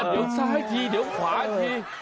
เดี๋ยวซ้ายทีเดี๋ยวขวาที